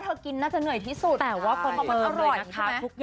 คุณผู้ชมค่ะคุณผู้ชมค่ะคุณผู้ชมค่ะคุณผู้ชมค่ะ